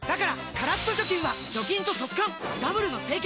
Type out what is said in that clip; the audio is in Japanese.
カラッと除菌は除菌と速乾ダブルの清潔！